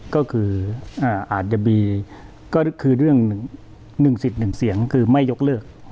ก็คืออ่าอาจจะมีก็คือเรื่องหนึ่งหนึ่งสิบหนึ่งเสียงคือไม่ยกเลิก